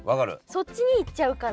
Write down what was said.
そっちに行っちゃうから。